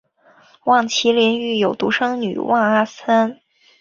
望麒麟育有独生女望阿参。